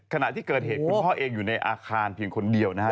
ขณะที่เกิดเหตุคุณพ่อเองอยู่ในอาคารเพียงคนเดียวนะฮะ